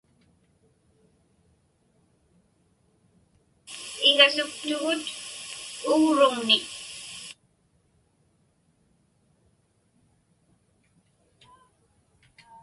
Igasuktugut ugruŋnik.